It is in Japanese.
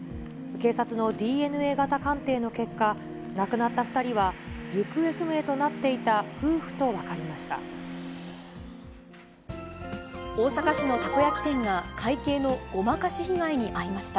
警察のＤＮＡ型鑑定の結果、亡くなった２人は、行方不明となっていた夫婦と分かりました。